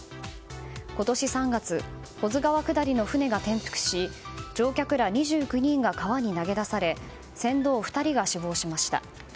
今年３月保津川下りの船が転覆し乗客ら２９人が川に投げ出され船頭２人が死亡しました。